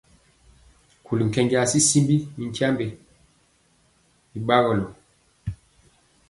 Ŋguli nkenja tyityimbi mi tyiambe y bagɔlo.